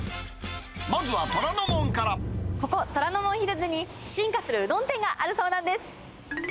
まずここ虎ノ門ヒルズに、進化するうどん店があるそうなんです。